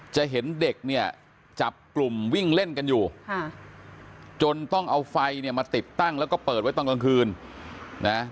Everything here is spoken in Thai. จะเห็นเด็กเนี่ยจับกลุ่มวิ่งเล่นกันอยู่จนต้องเอาไฟเนี่ยมาติดตั้งแล้วก็เปิดไว้ตอนกลางคืนนะ